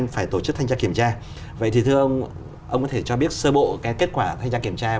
khách quan chúng tôi cũng